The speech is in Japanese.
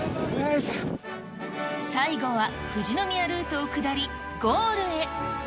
最後は富士宮ルートを下り、ゴールへ。